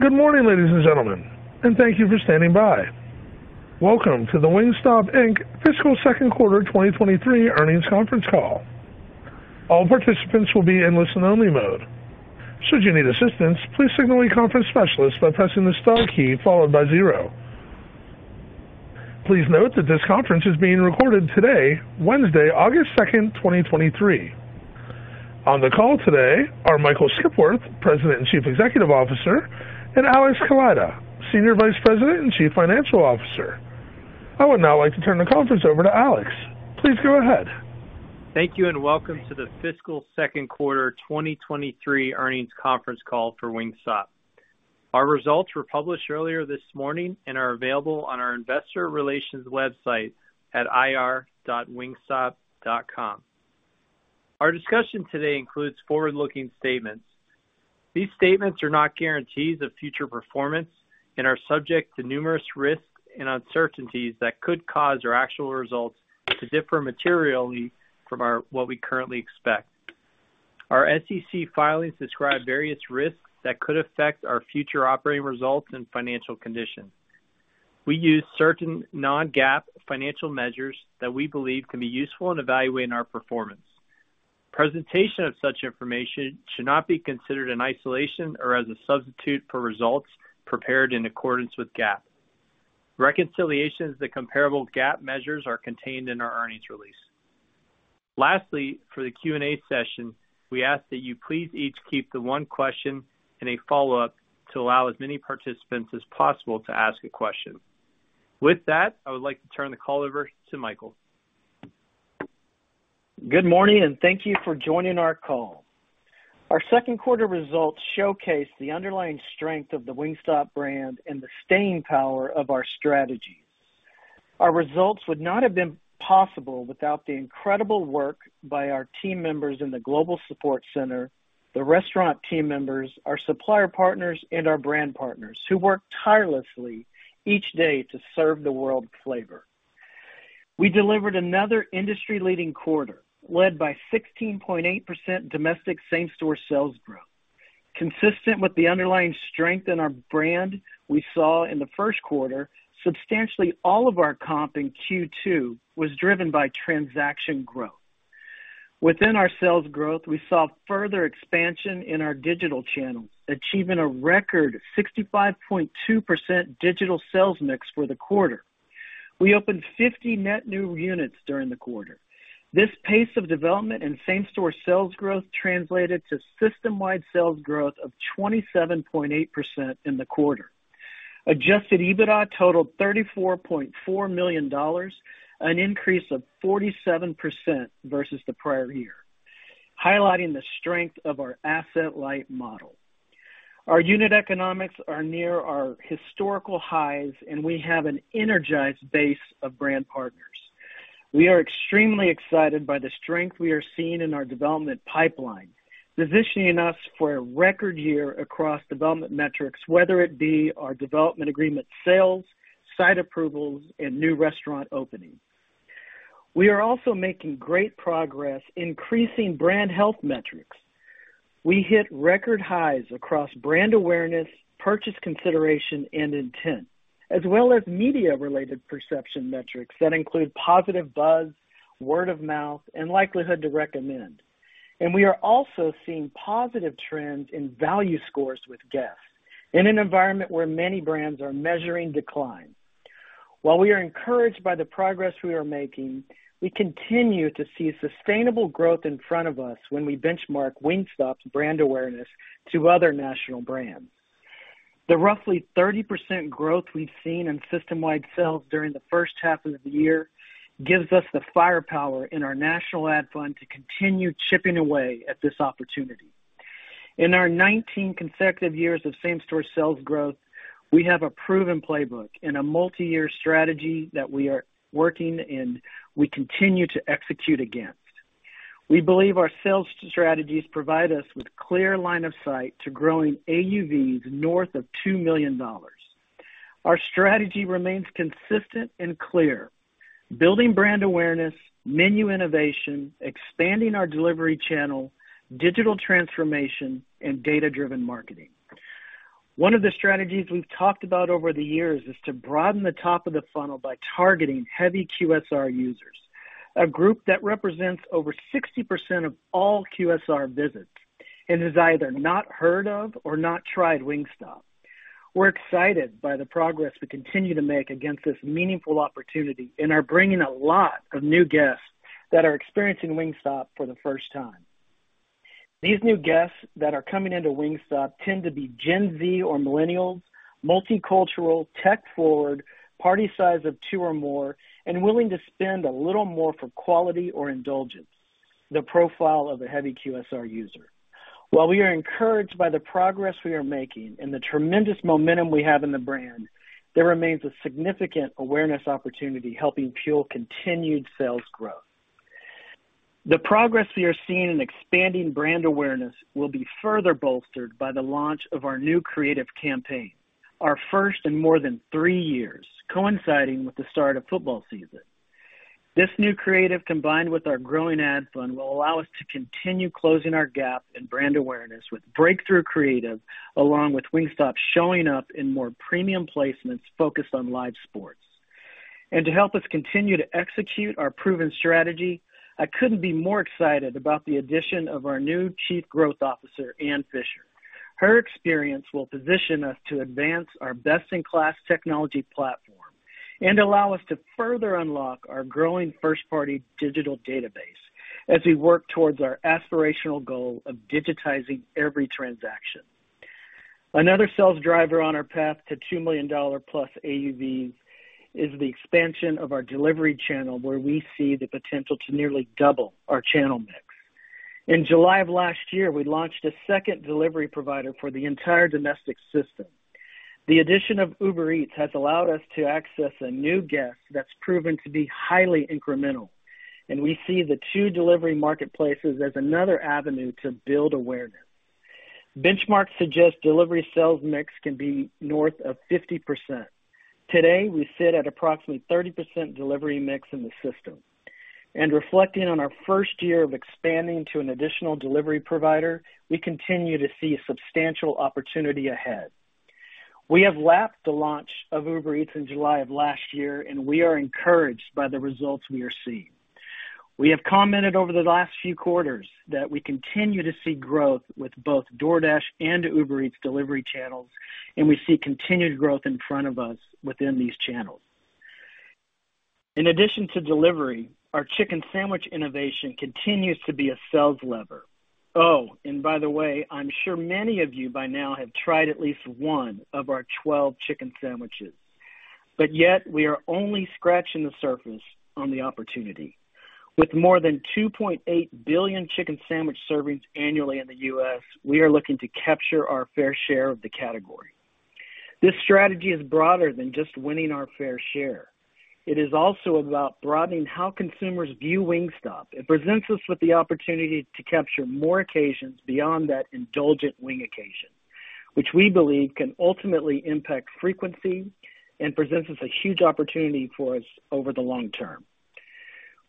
Good morning, ladies and gentlemen, and thank you for standing by. Welcome to the Wingstop Inc. fiscal second quarter 2023 earnings conference call. All participants will be in listen-only mode. Should you need assistance, please signal a conference specialist by pressing the star key followed by zero. Please note that this conference is being recorded today, Wednesday, August 2nd, 2023. On the call today are Michael Skipworth, President and Chief Executive Officer, and Alex Kaleida, Senior Vice President and Chief Financial Officer. I would now like to turn the conference over to Alex. Please go ahead. Thank you, welcome to the fiscal second quarter 2023 earnings conference call for Wingstop. Our results were published earlier this morning and are available on our Investor Relations website at ir.wingstop.com. Our discussion today includes forward-looking statements. These statements are not guarantees of future performance and are subject to numerous risks and uncertainties that could cause our actual results to differ materially from what we currently expect. Our SEC filings describe various risks that could affect our future operating results and financial conditions. We use certain non-GAAP financial measures that we believe can be useful in evaluating our performance. Presentation of such information should not be considered in isolation or as a substitute for results prepared in accordance with GAAP. Reconciliations to comparable GAAP measures are contained in our earnings release. Lastly, for the Q&A session, we ask that you please each keep the one question and a follow-up to allow as many participants as possible to ask a question. With that, I would like to turn the call over to Michael. Good morning, and thank you for joining our call. Our second quarter results showcase the underlying strength of the Wingstop brand and the staying power of our strategy. Our results would not have been possible without the incredible work by our team members in the Global Support Center, the restaurant team members, our supplier partners, and our brand partners who work tirelessly each day to serve the world flavor. We delivered another industry-leading quarter, led by 16.8% domestic same-store sales growth. Consistent with the underlying strength in our brand we saw in the first quarter, substantially all of our comp in Q2 was driven by transaction growth. Within our sales growth, we saw further expansion in our digital channels, achieving a record 65.2% digital sales mix for the quarter. We opened 50 net new units during the quarter. This pace of development and same-store sales growth translated to system-wide sales growth of 27.8% in the quarter. Adjusted EBITDA totaled $34.4 million, an increase of 47% versus the prior year, highlighting the strength of our asset-light model. Our unit economics are near our historical highs, and we have an energized base of brand partners. We are extremely excited by the strength we are seeing in our development pipeline, positioning us for a record year across development metrics, whether it be our development agreement sales, site approvals, and new restaurant openings. We are also making great progress increasing brand health metrics. We hit record highs across brand awareness, purchase consideration, and intent, as well as media-related perception metrics that include positive buzz, word of mouth, and likelihood to recommend. We are also seeing positive trends in value scores with guests in an environment where many brands are measuring decline. While we are encouraged by the progress we are making, we continue to see sustainable growth in front of us when we benchmark Wingstop's brand awareness to other national brands. The roughly 30% growth we've seen in system-wide sales during the first half of the year gives us the firepower in our national ad fund to continue chipping away at this opportunity. In our 19 consecutive years of same-store sales growth, we have a proven playbook and a multi-year strategy that we are working and we continue to execute against. We believe our sales strategies provide us with clear line of sight to growing AUVs north of $2 million. Our strategy remains consistent and clear: building brand awareness, menu innovation, expanding our delivery channel, digital transformation, and data-driven marketing. One of the strategies we've talked about over the years is to broaden the top of the funnel by targeting heavy QSR users, a group that represents over 60% of all QSR visits and has either not heard of or not tried Wingstop. We're excited by the progress we continue to make against this meaningful opportunity and are bringing a lot of new guests that are experiencing Wingstop for the first time. These new guests that are coming into Wingstop tend to be Gen Z or Millennials, multicultural, tech-forward, party size of two or more, and willing to spend a little more for quality or indulgence, the profile of a heavy QSR user. While we are encouraged by the progress we are making and the tremendous momentum we have in the brand, there remains a significant awareness opportunity helping fuel continued sales growth. The progress we are seeing in expanding brand awareness will be further bolstered by the launch of our new creative campaign, our first in more than three years, coinciding with the start of football season. This new creative, combined with our growing ad spend, will allow us to continue closing our gap in brand awareness with breakthrough creative, along with Wingstop showing up in more premium placements focused on live sports. To help us continue to execute our proven strategy, I couldn't be more excited about the addition of our new Chief Growth Officer, Anne Fischer. Her experience will position us to advance our best-in-class technology platform and allow us to further unlock our growing first party digital database as we work towards our aspirational goal of digitizing every transaction. Another sales driver on our path to $2 million+ AUV is the expansion of our delivery channel, where we see the potential to nearly double our channel mix. In July of last year, we launched a second delivery provider for the entire domestic system. The addition of Uber Eats has allowed us to access a new guest that's proven to be highly incremental, and we see the two delivery marketplaces as another avenue to build awareness. Benchmarks suggest delivery sales mix can be north of 50%. Today, we sit at approximately 30% delivery mix in the system, and reflecting on our first year of expanding to an additional delivery provider, we continue to see substantial opportunity ahead. We have lapped the launch of Uber Eats in July of last year, and we are encouraged by the results we are seeing. We have commented over the last few quarters that we continue to see growth with both DoorDash and Uber Eats delivery channels, and we see continued growth in front of us within these channels. In addition to delivery, our Chicken Sandwich innovation continues to be a sales lever. Oh, and by the way, I'm sure many of you by now have tried at least one of our 12 Chicken Sandwiches, but yet we are only scratching the surface on the opportunity. With more than 2.8 billion Chicken Sandwich servings annually in the U.S., we are looking to capture our fair share of the category. This strategy is broader than just winning our fair share. It is also about broadening how consumers view Wingstop. It presents us with the opportunity to capture more occasions beyond that indulgent wing occasion, which we believe can ultimately impact frequency and presents us a huge opportunity for us over the long term.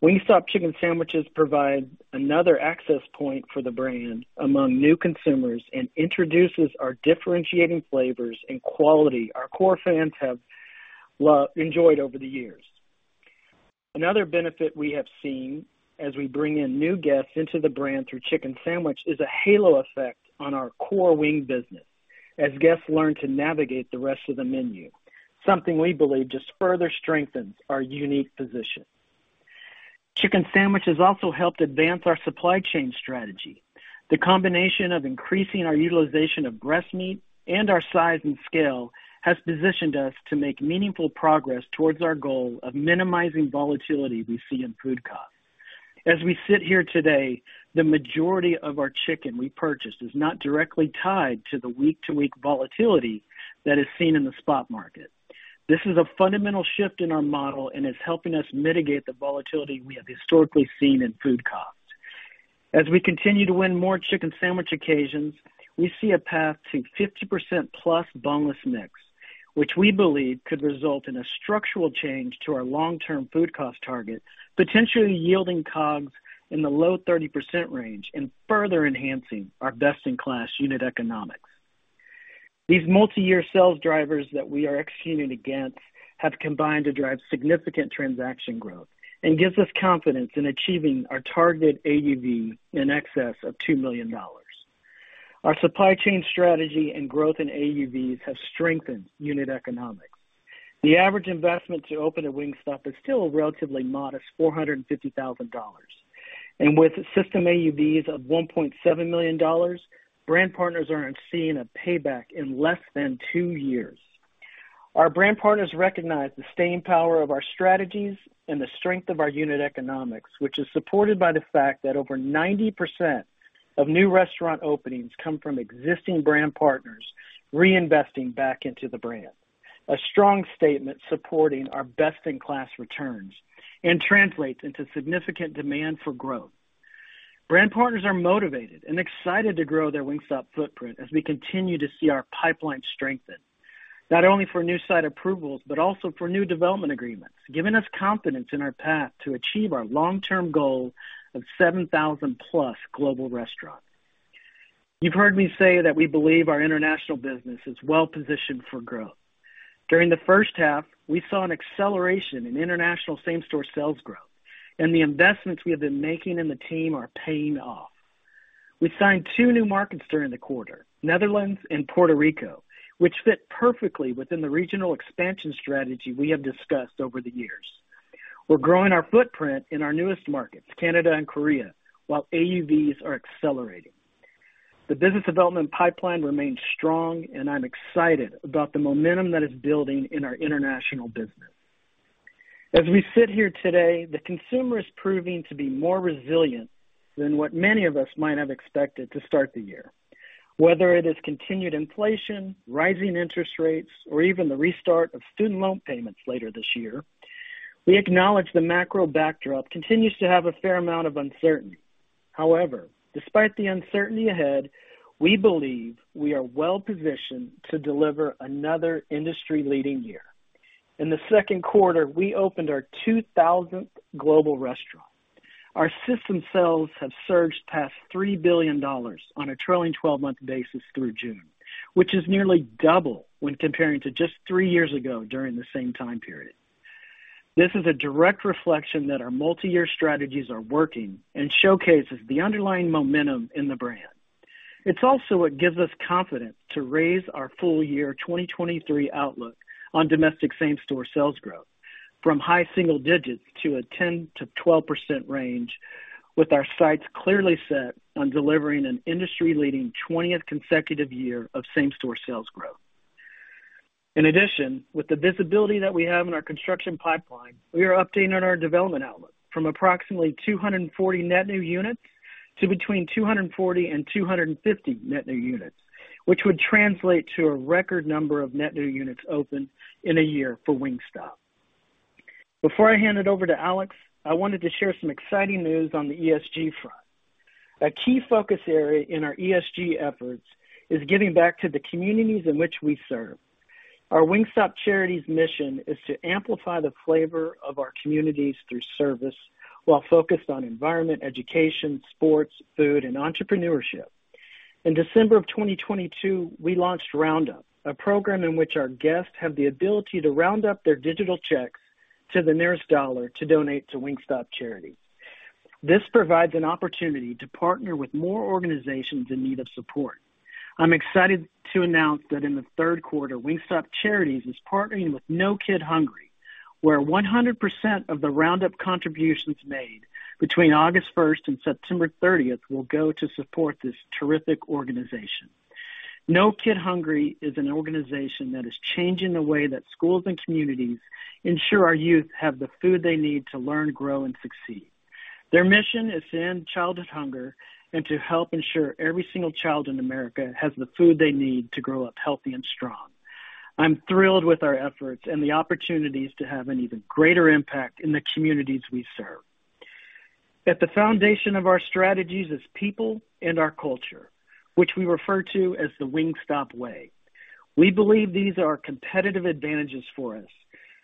Wingstop Chicken Sandwiches provide another access point for the brand among new consumers and introduces our differentiating flavors and quality our core fans have enjoyed over the years. Another benefit we have seen as we bring in new guests into the brand through Chicken Sandwich is a halo effect on our core wing business as guests learn to navigate the rest of the menu, something we believe just further strengthens our unique position. Chicken Sandwiches also helped advance our supply chain strategy. The combination of increasing our utilization of breast meat and our size and scale has positioned us to make meaningful progress towards our goal of minimizing volatility we see in food costs. As we sit here today, the majority of our chicken we purchased is not directly tied to the week-to-week volatility that is seen in the spot market. This is a fundamental shift in our model, and it's helping us mitigate the volatility we have historically seen in food costs. As we continue to win more Chicken Sandwich occasions, we see a path to 50%+ boneless mix, which we believe could result in a structural change to our long-term food cost target, potentially yielding COGS in the low 30% range and further enhancing our best-in-class unit economics. These multi-year sales drivers that we are executing against have combined to drive significant transaction growth and gives us confidence in achieving our targeted AUV in excess of $2 million. Our supply chain strategy and growth in AUVs have strengthened unit economics. The average investment to open a Wingstop is still a relatively modest $450,000. With system AUVs of $1.7 million, brand partners are seeing a payback in less than two years. Our brand partners recognize the staying power of our strategies and the strength of our unit economics, which is supported by the fact that over 90% of new restaurant openings come from existing brand partners reinvesting back into the brand. A strong statement supporting our best-in-class returns and translates into significant demand for growth. Brand partners are motivated and excited to grow their Wingstop footprint as we continue to see our pipeline strengthen, not only for new site approvals, but also for new development agreements, giving us confidence in our path to achieve our long-term goal of 7,000+ global restaurants. You've heard me say that we believe our international business is well positioned for growth. During the first half, we saw an acceleration in international same-store sales growth. The investments we have been making in the team are paying off. We signed two new markets during the quarter, Netherlands and Puerto Rico, which fit perfectly within the regional expansion strategy we have discussed over the years. We're growing our footprint in our newest markets, Canada and Korea, while AUVs are accelerating. The business development pipeline remains strong, and I'm excited about the momentum that is building in our international business. As we sit here today, the consumer is proving to be more resilient than what many of us might have expected to start the year. Whether it is continued inflation, rising interest rates, or even the restart of student loan payments later this year, we acknowledge the macro backdrop continues to have a fair amount of uncertainty. Despite the uncertainty ahead, we believe we are well-positioned to deliver another industry-leading year. In the second quarter, we opened our 2,000th global restaurant. Our system sales have surged past $3 billion on a trailing 12-month basis through June, which is nearly double when comparing to just three years ago during the same time period. This is a direct reflection that our multiyear strategies are working and showcases the underlying momentum in the brand. It's also what gives us confidence to raise our full year 2023 outlook on domestic same-store sales growth from high single digits to a 10%-12% range, with our sights clearly set on delivering an industry-leading 20th consecutive year of same-store sales growth. In addition, with the visibility that we have in our construction pipeline, we are updating on our development outlook from approximately 240 net new units to between 240 and 250 net new units, which would translate to a record number of net new units opened in a year for Wingstop. Before I hand it over to Alex, I wanted to share some exciting news on the ESG front. A key focus area in our ESG efforts is giving back to the communities in which we serve. Our Wingstop Charities mission is to amplify the flavor of our communities through service, while focused on environment, education, sports, food, and entrepreneurship. In December of 2022, we launched Round-Up, a program in which our guests have the ability to round up their digital checks to the nearest dollar to donate to Wingstop Charities. This provides an opportunity to partner with more organizations in need of support. I'm excited to announce that in the third quarter, Wingstop Charities is partnering with No Kid Hungry, where 100% of the Round-Up contributions made between August 1st and September 30th will go to support this terrific organization. No Kid Hungry is an organization that is changing the way that schools and communities ensure our youth have the food they need to learn, grow, and succeed. Their mission is to end childhood hunger and to help ensure every single child in America has the food they need to grow up healthy and strong. I'm thrilled with our efforts and the opportunities to have an even greater impact in the communities we serve. At the foundation of our strategies is people and our culture, which we refer to as The Wingstop Way. We believe these are competitive advantages for us,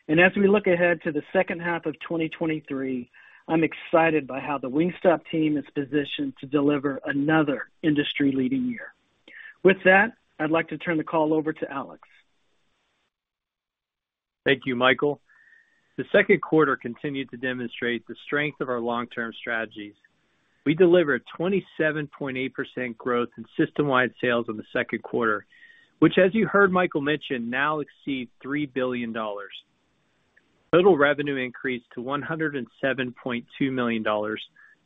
and as we look ahead to the second half of 2023, I'm excited by how the Wingstop team is positioned to deliver another industry-leading year. With that, I'd like to turn the call over to Alex. Thank you, Michael. The second quarter continued to demonstrate the strength of our long-term strategies. We delivered a 27.8% growth in systemwide sales in the second quarter, which, as you heard Michael mention, now exceeds $3 billion. Total revenue increased to $107.2 million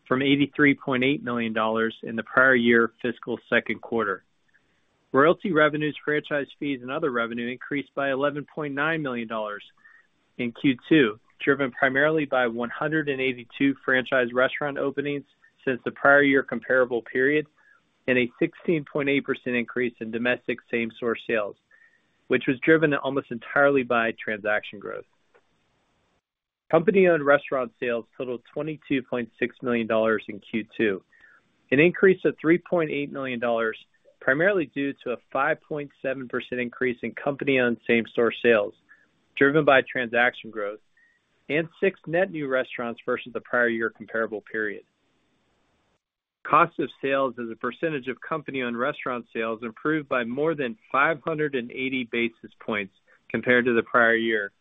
from $83.8 million in the prior year fiscal second quarter. Royalty revenues, franchise fees, and other revenue increased by $11.9 million in Q2, driven primarily by 182 franchise restaurant openings since the prior year comparable period, and a 16.8% increase in domestic same-store sales, which was driven almost entirely by transaction growth. Company-owned restaurant sales totaled $22.6 million in Q2, an increase of $3.8 million, primarily due to a 5.7% increase in company-owned same-store sales, driven by transaction growth and six net new restaurants versus the prior year comparable period. Cost of sales as a percentage of company-owned restaurant sales improved by more than 580 basis points compared to the prior year,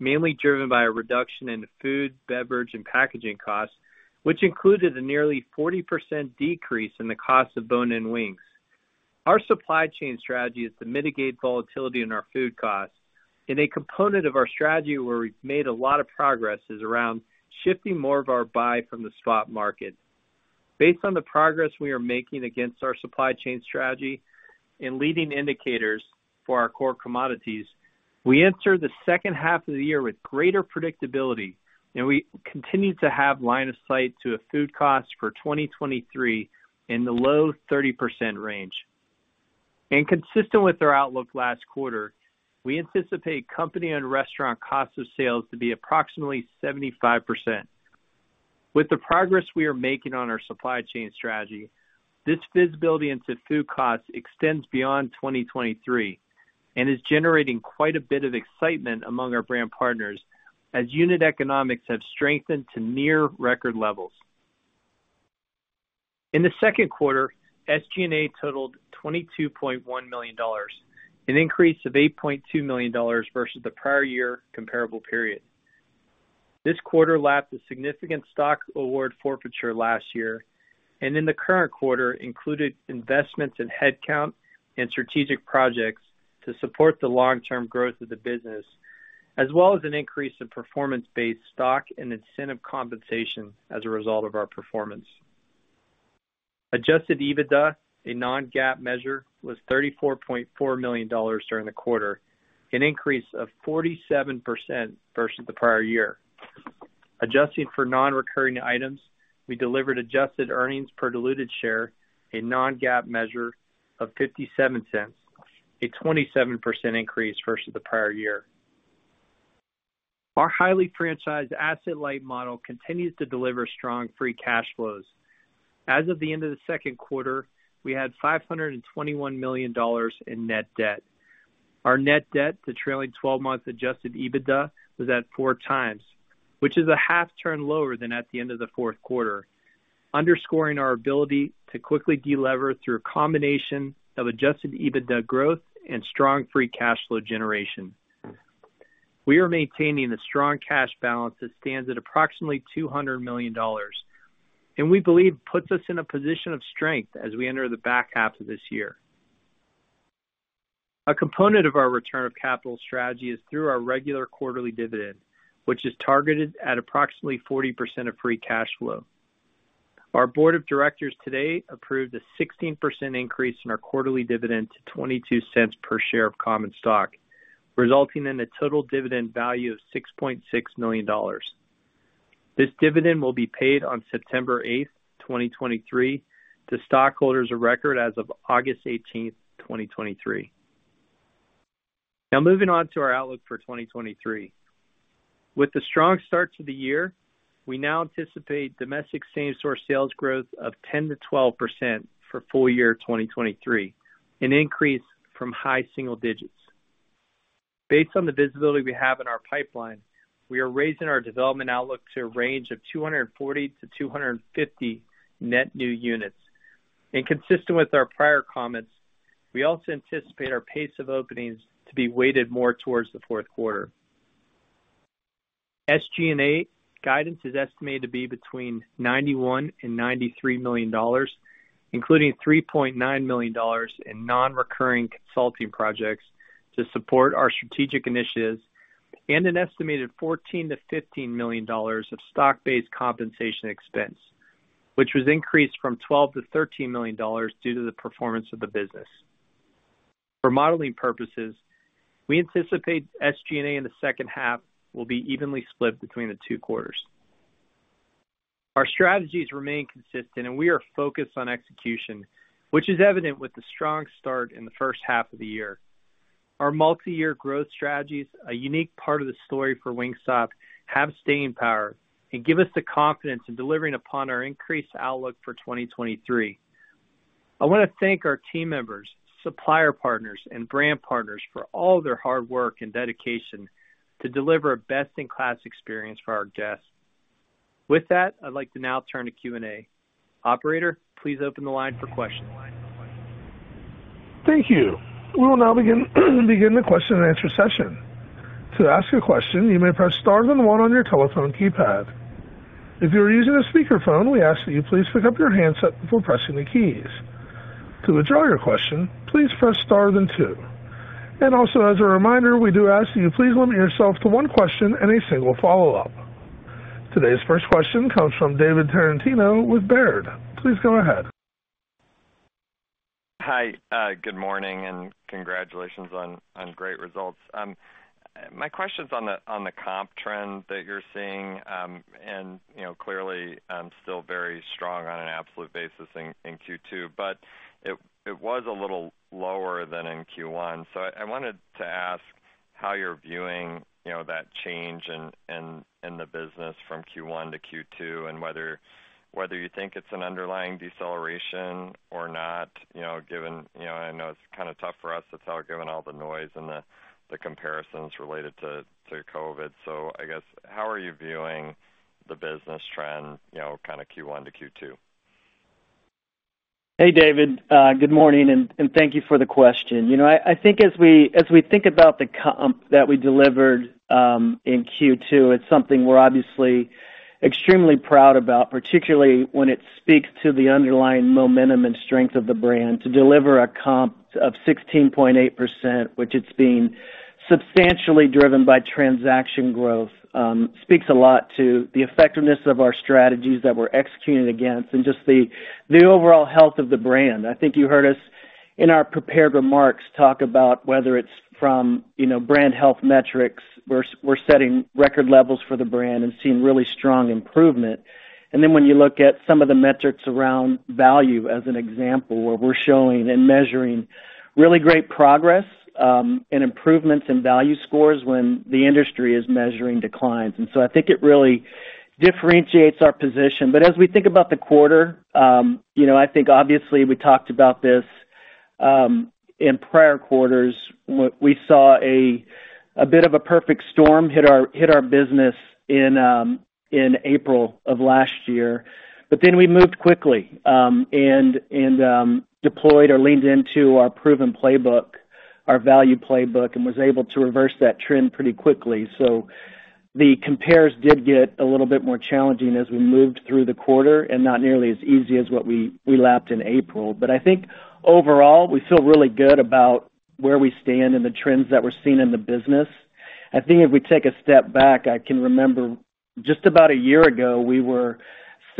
mainly driven by a reduction in food, beverage, and packaging costs, which included a nearly 40% decrease in the cost of bone-in wings. Our supply chain strategy is to mitigate volatility in our food costs, and a component of our strategy where we've made a lot of progress, is around shifting more of our buy from the spot market. Based on the progress we are making against our supply chain strategy and leading indicators for our core commodities, we enter the second half of the year with greater predictability, we continue to have line of sight to a food cost for 2023 in the low 30% range. Consistent with our outlook last quarter, we anticipate company and restaurant cost of sales to be approximately 75%. With the progress we are making on our supply chain strategy, this visibility into food costs extends beyond 2023 and is generating quite a bit of excitement among our brand partners as unit economics have strengthened to near record levels. In the second quarter, SG&A totaled $22.1 million, an increase of $8.2 million versus the prior year comparable period. This quarter lapped a significant stock award forfeiture last year, and in the current quarter included investments in headcount and strategic projects to support the long-term growth of the business, as well as an increase in performance-based stock and incentive compensation as a result of our performance. Adjusted EBITDA, a non-GAAP measure, was $34.4 million during the quarter, an increase of 47% versus the prior year. Adjusting for non-recurring items, we delivered adjusted earnings per diluted share, a non-GAAP measure of $0.57, a 27% increase versus the prior year. Our highly franchised asset-light model continues to deliver strong free cash flows. As of the end of the second quarter, we had $521 million in net debt. Our net debt, the trailing 12 months Adjusted EBITDA, was at four times, which is a 0.5 turn lower than at the end of the fourth quarter, underscoring our ability to quickly delever through a combination of Adjusted EBITDA growth and strong free cash flow generation. We are maintaining a strong cash balance that stands at approximately $200 million, and we believe puts us in a position of strength as we enter the back half of this year. A component of our return of capital strategy is through our regular quarterly dividend, which is targeted at approximately 40% of free cash flow. Our board of directors today approved a 16% increase in our quarterly dividend to $0.22 per share of common stock, resulting in a total dividend value of $6.6 million. This dividend will be paid on September 8th, 2023, to stockholders of record as of August 18th, 2023. Now, moving on to our outlook for 2023. With the strong start to the year, we now anticipate domestic same-store sales growth of 10%-12% for full year 2023, an increase from high single digits. Based on the visibility we have in our pipeline, we are raising our development outlook to a range of 240-250 net new units. Consistent with our prior comments, we also anticipate our pace of openings to be weighted more towards the fourth quarter. SG&A guidance is estimated to be between $91 million and $93 million, including $3.9 million in non-recurring consulting projects to support our strategic initiatives, and an estimated $14 million-$15 million of stock-based compensation expense, which was increased from $12 million-$13 million due to the performance of the business. For modeling purposes, we anticipate SG&A in the second half will be evenly split between the two quarters. Our strategies remain consistent and we are focused on execution, which is evident with the strong start in the first half of the year. Our multi-year growth strategies, a unique part of the story for Wingstop, have staying power and give us the confidence in delivering upon our increased outlook for 2023. I want to thank our team members, supplier partners, and brand partners for all their hard work and dedication to deliver a best-in-class experience for our guests. With that, I'd like to now turn to Q&A. Operator, please open the line for questions. Thank you. We will now begin the question and answer session. To ask a question, you may press star then one on your telephone keypad. If you are using a speakerphone, we ask that you please pick up your handset before pressing the keys. To withdraw your question, please press star then two. Also, as a reminder, we do ask that you please limit yourself to one question and a single follow-up. Today's first question comes from David Tarantino with Baird. Please go ahead. Hi, good morning and congratulations on, on great results. My question is on the, on the comp trend that you're seeing, and, you know, clearly, still very strong on an absolute basis in, in Q2, but it, it was a little lower than in Q1. I wanted to ask how you're viewing, you know, that change in, in, in the business from Q1 to Q2, and whether, whether you think it's an underlying deceleration or not, you know, given, you know, I know it's kind of tough for us to tell, given all the noise and the, the comparisons related to, to COVID. I guess, how are you viewing the business trend, you know, kind of Q1 to Q2? Hey, David, good morning, and thank you for the question. You know, I, I think as we, as we think about the comp that we delivered, in Q2, it's something we're obviously extremely proud about, particularly when it speaks to the underlying momentum and strength of the brand. To deliver a comp of 16.8%, which it's been substantially driven by transaction growth, speaks a lot to the effectiveness of our strategies that we're executing against and just the overall health of the brand. I think you heard us in our prepared remarks, talk about whether it's from, you know, brand health metrics. We're, we're setting record levels for the brand and seeing really strong improvement. Then when you look at some of the metrics around value, as an example, where we're showing and measuring really great progress, and improvements in value scores when the industry is measuring declines. So I think it really differentiates our position. As we think about the quarter, you know, I think obviously we talked about this in prior quarters. We, we saw a, a bit of a perfect storm hit our, hit our business in April of last year, but then we moved quickly, and, and deployed or leaned into our proven playbook, our value playbook, and was able to reverse that trend pretty quickly. The compares did get a little bit more challenging as we moved through the quarter, and not nearly as easy as what we, we lapped in April. I think overall, we feel really good about where we stand and the trends that we're seeing in the business. I think if we take a step back, I can remember just about a year ago, we were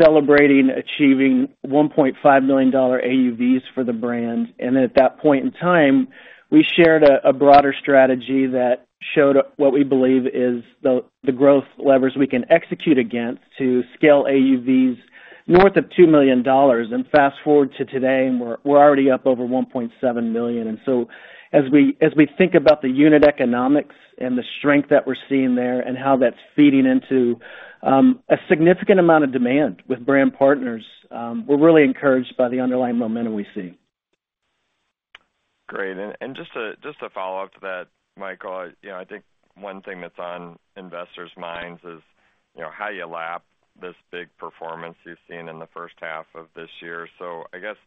celebrating achieving $1.5 million AUVs for the brand, and at that point in time, we shared a broader strategy that showed what we believe is the growth levers we can execute against to scale AUVs north of $2 million, and fast-forward to today, and we're, we're already up over $1.7 million. So as we, as we think about the unit economics and the strength that we're seeing there and how that's feeding into, a significant amount of demand with brand partners, we're really encouraged by the underlying momentum we see. Great. Just a, just a follow-up to that, Michael, you know, I think one thing that's on investors' minds is, you know, how you lap this big performance you've seen in the first half of this year. I guess,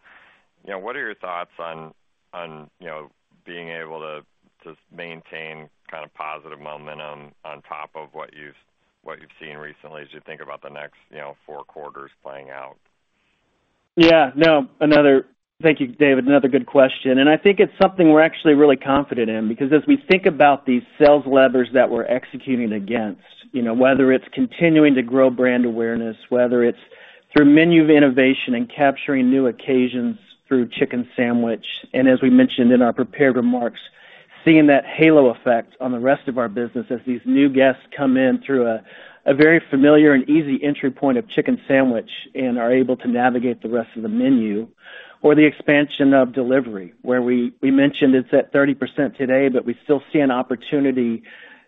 you know, what are your thoughts on, on, you know, being able to, to maintain kind of positive momentum on top of what you've, what you've seen recently as you think about the next, you know, four quarters playing out? Yeah. No, thank you, David. Another good question, and I think it's something we're actually really confident in because as we think about these sales levers that we're executing against, you know, whether it's continuing to grow brand awareness, whether it's through menu innovation and capturing new occasions through Chicken Sandwich, and as we mentioned in our prepared remarks, seeing that halo effect on the rest of our business as these new guests come in through a, a very familiar and easy entry point of Chicken Sandwich and are able to navigate the rest of the menu, or the expansion of delivery, where we, we mentioned it's at 30% today, but we still see an opportunity,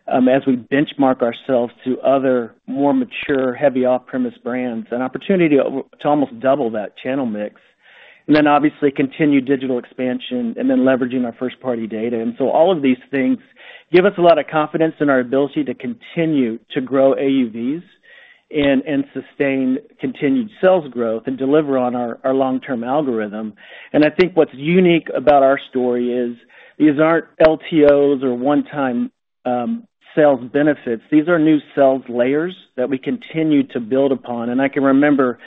as we benchmark ourselves to other more mature, heavy off-premise brands, an opportunity to almost double that channel mix. Then, obviously, continue digital expansion and then leveraging our first-party data. So all of these things give us a lot of confidence in our ability to continue to grow AUVs and, and sustain continued sales growth and deliver on our, our long-term algorithm. I think what's unique about our story is, these aren't LTOs or one-time sales benefits. These are new sales layers that we continue to build upon. I can remember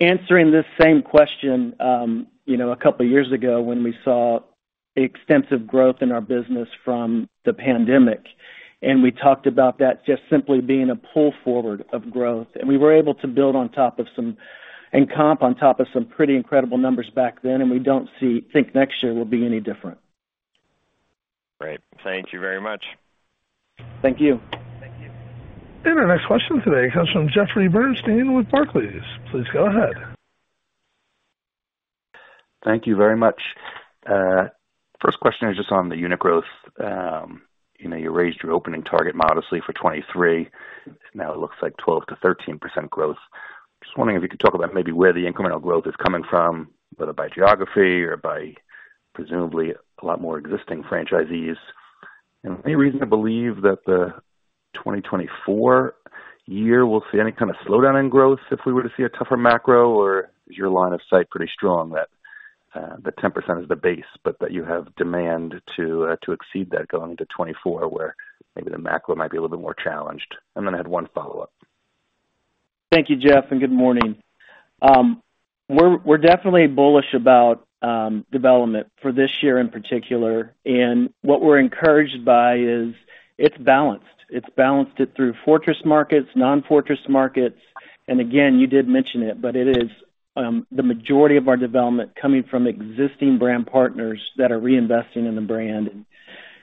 answering this same question, you know, a couple of years ago when we saw extensive growth in our business from the pandemic, and we talked about that just simply being a pull forward of growth. We were able to build on top of some and comp on top of some pretty incredible numbers back then, and we don't think next year will be any different. Great. Thank you very much. Thank you. Thank you. Our next question today comes from Jeffrey Bernstein with Barclays. Please go ahead. Thank you very much. First question is just on the unit growth. You know, you raised your opening target modestly for 2023. Now it looks like 12%-13% growth. Just wondering if you could talk about maybe where the incremental growth is coming from, whether by geography or by presumably a lot more existing franchisees. Any reason to believe that the 2024 year will see any kind of slowdown in growth if we were to see a tougher macro? Or is your line of sight pretty strong, that the 10% is the base, but that you have demand to exceed that going into 2024, where maybe the macro might be a little bit more challenged? Then I had one follow-up. Thank you, Jeff, and good morning. We're, we're definitely bullish about development for this year in particular, and what we're encouraged by is it's balanced. It's balanced it through fortress markets, non-fortress markets. Again, you did mention it, but it is the majority of our development coming from existing brand partners that are reinvesting in the brand.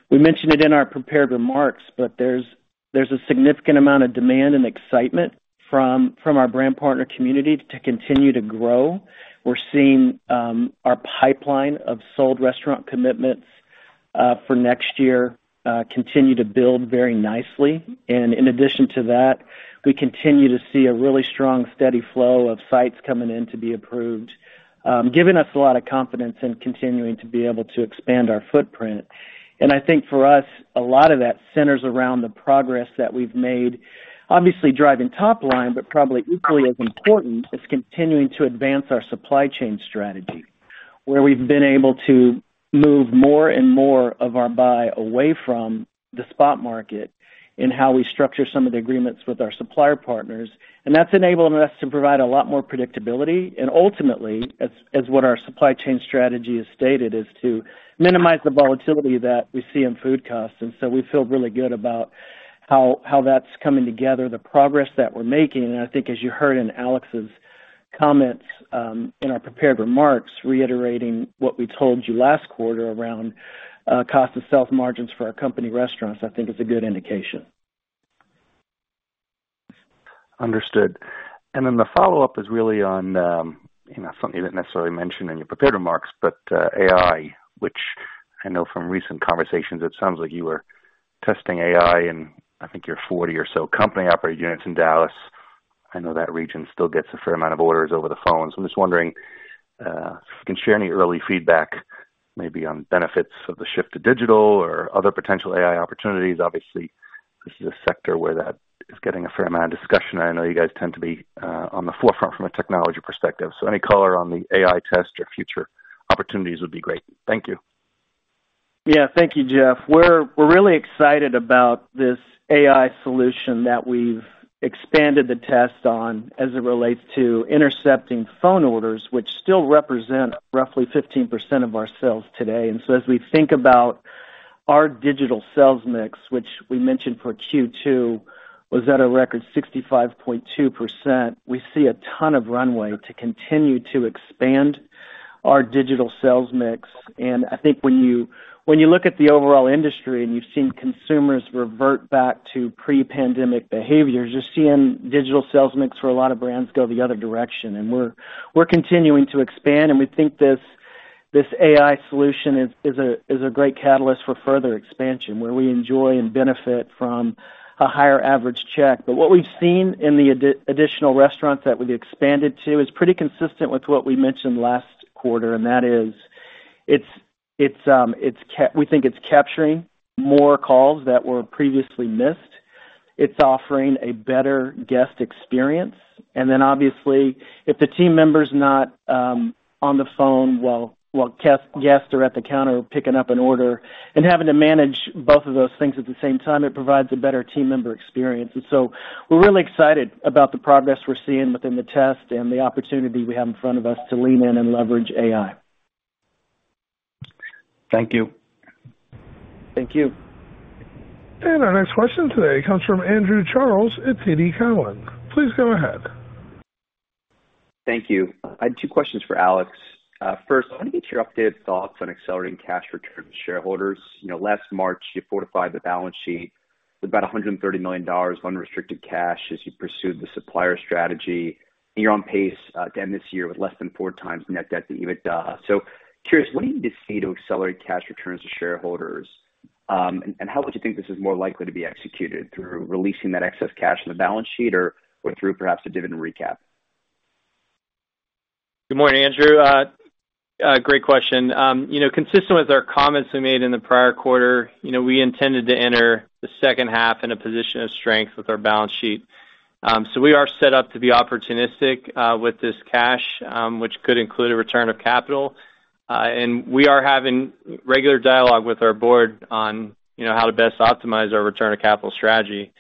We mentioned it in our prepared remarks, but there's, there's a significant amount of demand and excitement from, from our brand partner community to continue to grow. We're seeing our pipeline of sold restaurant commitments for next year continue to build very nicely. In addition to that, we continue to see a really strong, steady flow of sites coming in to be approved, giving us a lot of confidence in continuing to be able to expand our footprint. I think for us, a lot of that centers around the progress that we've made, obviously driving top line, but probably equally as important, is continuing to advance our supply chain strategy, where we've been able to move more and more of our buy away from the spot market in how we structure some of the agreements with our supplier partners. That's enabling us to provide a lot more predictability. Ultimately, as, as what our supply chain strategy has stated, is to minimize the volatility that we see in food costs. We feel really good about how, how that's coming together, the progress that we're making. I think, as you heard in Alex's comments, in our prepared remarks, reiterating what we told you last quarter around cost of sales margins for our company restaurants, I think is a good indication. The follow-up is really on, you know, something you didn't necessarily mention in your prepared remarks, but AI, which I know from recent conversations, it sounds like you were testing AI in, I think, your 40 or so company operated units in Dallas. I know that region still gets a fair amount of orders over the phone. I'm just wondering if you can share any early feedback, maybe on benefits of the shift to digital or other potential AI opportunities. Obviously, this is a sector where that is getting a fair amount of discussion. I know you guys tend to be on the forefront from a technology perspective, so any color on the AI test or future opportunities would be great. Thank you. Yeah, thank you, Jeff. We're, we're really excited about this AI solution that we've expanded the test on as it relates to intercepting phone orders, which still represent roughly 15% of our sales today. So as we think about our digital sales mix, which we mentioned for Q2, was at a record 65.2%, we see a ton of runway to continue to expand our digital sales mix. I think when you, when you look at the overall industry and you've seen consumers revert back to pre-pandemic behaviors, you're seeing digital sales mix for a lot of brands go the other direction. We're, we're continuing to expand, and we think this, this AI solution is, is a, is a great catalyst for further expansion, where we enjoy and benefit from a higher average check. What we've seen in the additional restaurants that we've expanded to is pretty consistent with what we mentioned last quarter, and that is, it's, we think it's capturing more calls that were previously missed. It's offering a better guest experience, obviously, if the team member's not on the phone while, while guests are at the counter picking up an order and having to manage both of those things at the same time, it provides a better team member experience. We're really excited about the progress we're seeing within the test and the opportunity we have in front of us to lean in and leverage AI. Thank you. Thank you. Our next question today comes from Andrew Charles at TD Cowen. Please go ahead. Thank you. I had two questions for Alex. First, I want to get your updated thoughts on accelerating cash returns to shareholders. You know, last March, you fortified the balance sheet with about $130 million unrestricted cash as you pursued the supplier strategy, and you're on pace to end this year with less than 4x net debt to EBITDA. Curious, what do you need to see to accelerate cash returns to shareholders? How would you think this is more likely to be executed, through releasing that excess cash on the balance sheet or, or through perhaps a dividend recap? Good morning, Andrew. A great question. You know, consistent with our comments we made in the prior quarter, we intended to enter the second half in a position of strength with our balance sheet. So we are set up to be opportunistic with this cash, which could include a return of capital. And we are having regular dialogue with our board on, you know, how to best optimize our return of capital strategy.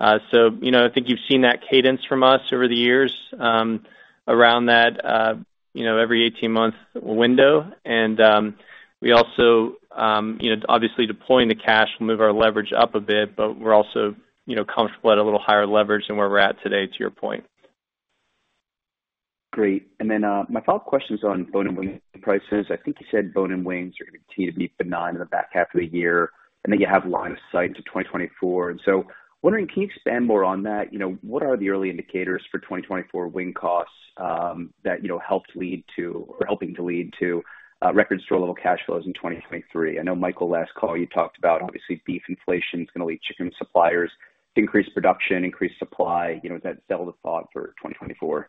So, you know, I think you've seen that cadence from us over the years, around that, you know, every 18-month window. And we also, you know, obviously deploying the cash will move our leverage up a bit, but we're also, you know, comfortable at a little higher leverage than where we're at today, to your point. Great. My follow-up question is on bone-in wing prices. I think you said bone-in wings are going to continue to be benign in the back half of the year, then you have line of sight into 2024. Wondering, can you expand more on that? You know, what are the early indicators for 2024 wing costs that, you know, helped lead to or are helping to lead to record store level cash flows in 2023? I know, Michael, last call, you talked about obviously beef inflation is going to lead chicken suppliers to increase production, increase supply. You know, does that settle the thought for 2024?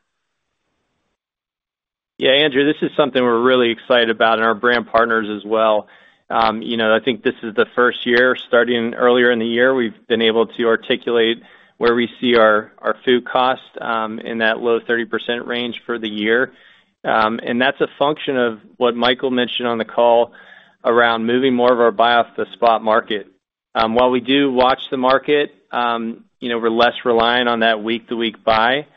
Yeah, Andrew, this is something we're really excited about and our brand partners as well. You know, I think this is the first year, starting earlier in the year, we've been able to articulate where we see our, our food costs, in that low 30% range for the year. And that's a function of what Michael mentioned on the call around moving more of our buy off the spot market. While we do watch the market, you know, we're less reliant on that week-to-week buy,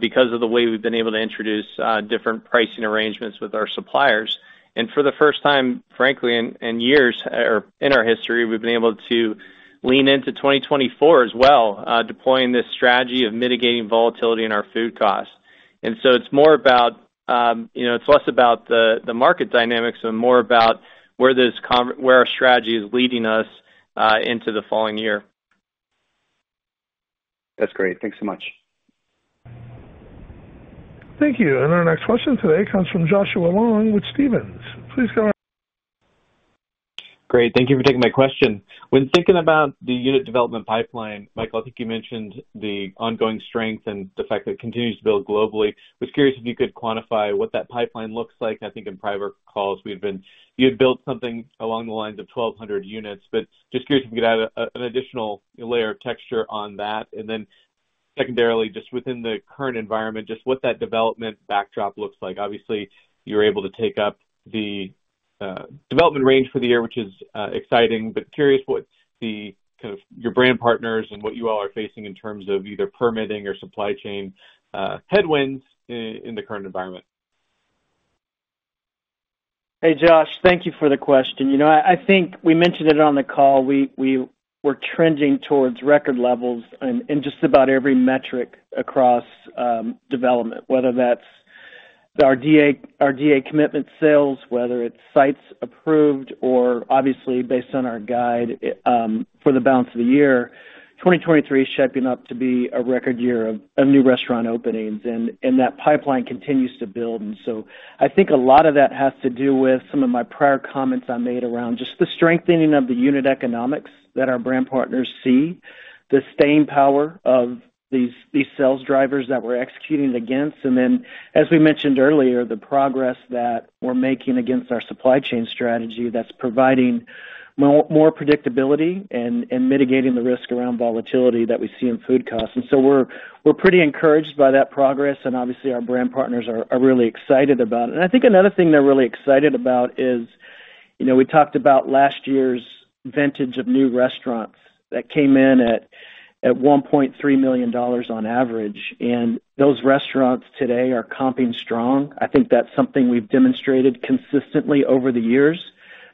because of the way we've been able to introduce different pricing arrangements with our suppliers. For the first time, frankly, in, in years or in our history, we've been able to lean into 2024 as well, deploying this strategy of mitigating volatility in our food costs. It's more about, you know, it's less about the, the market dynamics and more about where our strategy is leading us into the following year. That's great. Thanks so much. Thank you. Our next question today comes from Joshua Long with Stephens. Please go ahead. Great. Thank you for taking my question. When thinking about the unit development pipeline, Michael, I think you mentioned the ongoing strength and the fact that it continues to build globally. I was curious if you could quantify what that pipeline looks like. I think in prior calls we've been, you had built something along the lines of 1,200 units, but just curious if you could add an additional layer of texture on that. Secondarily, just within the current environment, just what that development backdrop looks like. Obviously, you're able to take up the development range for the year, which is exciting, but curious what the kind of your brand partners and what you all are facing in terms of either permitting or supply chain headwinds in the current environment. Hey, Josh, thank you for the question. You know, I think we mentioned it on the call, we're trending towards record levels in just about every metric across development, whether that's our DA, our DA commitment sales, whether it's sites approved or obviously based on our guide for the balance of the year. 2023 is shaping up to be a record year of new restaurant openings, and that pipeline continues to build. So I think a lot of that has to do with some of my prior comments I made around just the strengthening of the unit economics that our brand partners see, the staying power of these sales drivers that we're executing against. As we mentioned earlier, the progress that we're making against our supply chain strategy that's providing more predictability and mitigating the risk around volatility that we see in food costs. We're pretty encouraged by that progress, and obviously, our brand partners are really excited about it. I think another thing they're really excited about is, you know, we talked about last year's vintage of new restaurants that came in at $1.3 million on average, and those restaurants today are comping strong. I think that's something we've demonstrated consistently over the years.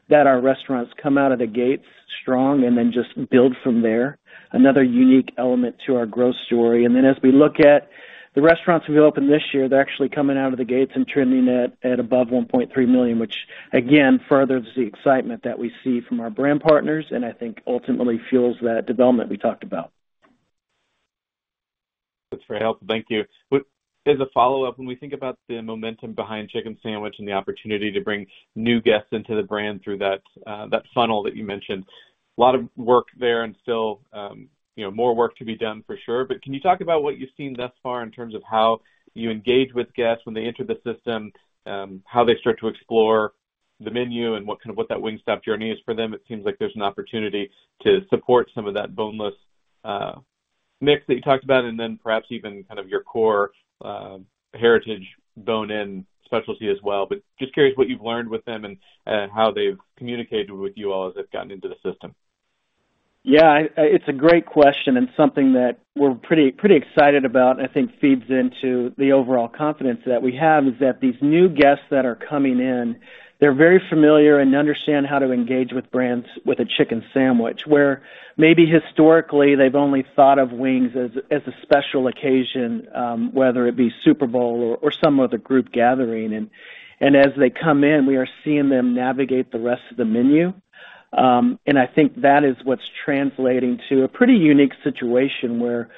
That our restaurants come out of the gates strong and then just build from there. Another unique element to our growth story. As we look at the restaurants we opened this year, they're actually coming out of the gates and trending at above $1.3 million, which again, furthers the excitement that we see from our brand partners, and I think ultimately fuels that development we talked about. That's very helpful. Thank you. As a follow-up, when we think about the momentum behind Chicken Sandwich and the opportunity to bring new guests into the brand through that, that funnel that you mentioned, a lot of work there and still, you know, more work to be done for sure. Can you talk about what you've seen thus far in terms of how you engage with guests when they enter the system, how they start to explore the menu and what kind of, what that Wingstop journey is for them? It seems like there's an opportunity to support some of that boneless mix that you talked about, and then perhaps even kind of your core heritage bone-in specialty as well. Just curious what you've learned with them and, and how they've communicated with you all as they've gotten into the system. Yeah, it, it's a great question and something that we're pretty, pretty excited about and I think feeds into the overall confidence that we have, is that these new guests that are coming in, they're very familiar and understand how to engage with brands with a Chicken Sandwich, where maybe historically, they've only thought of wings as, as a special occasion, whether it be Super Bowl or some other group gathering. As they come in, we are seeing them navigate the rest of the menu. I think that is what's translating to a pretty unique situation, where